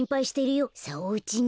さあおうちに。